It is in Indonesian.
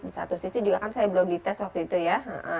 di satu sisi juga kan saya belum dites waktu itu ya